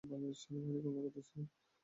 বাংলাদেশ সেনাবাহিনীর কর্মকর্তা ছিলেন।